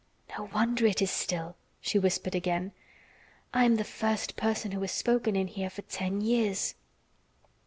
"No wonder it is still," she whispered again. "I am the first person who has spoken in here for ten years."